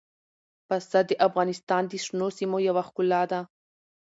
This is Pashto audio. پسه د افغانستان د شنو سیمو یوه ښکلا ده.